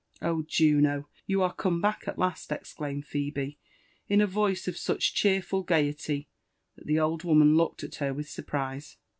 " Oh, Juno 1 you are come back at last 1" exclaimed Phebe, ia a Yoioe of such cheerful gaiety that the old woman looked at her with, surprise.